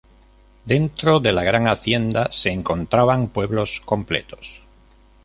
Dentro de la gran hacienda se encontraban pueblos completos.